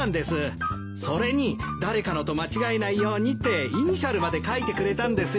それに誰かのと間違えないようにってイニシャルまで書いてくれたんですよ。